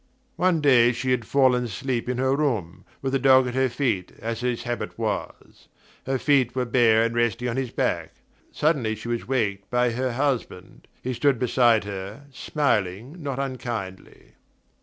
One day she had fallen asleep in her room, with the dog at her feet, as his habit was. Her feet were bare and resting on his back. Suddenly she was waked by her husband: he stood beside her, smiling not unkindly.